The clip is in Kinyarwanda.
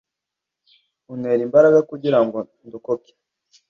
Untere imbaraga kugira ngo ndokoke